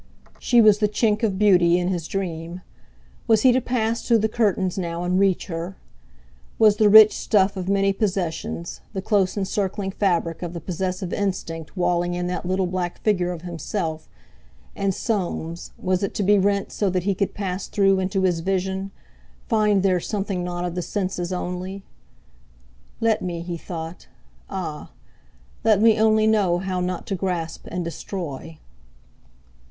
She was the chink of beauty in his dream. Was he to pass through the curtains now and reach her? Was the rich stuff of many possessions, the close encircling fabric of the possessive instinct walling in that little black figure of himself, and Soames—was it to be rent so that he could pass through into his vision, find there something not of the senses only? "Let me," he thought, "ah! let me only know how not to grasp and destroy!"